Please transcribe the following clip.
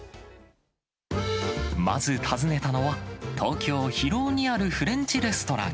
まず訪ねたのは、東京・広尾にあるフレンチレストラン。